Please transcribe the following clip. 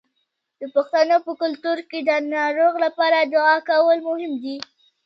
د پښتنو په کلتور کې د ناروغ لپاره دعا کول مهم دي.